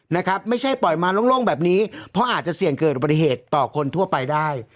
นะครับไม่ใช่ปล่อยมาโล่งแบบนี้เพราะอาจจะเสี่ยงเกิดอุบัติเหตุต่อคนทั่วไปได้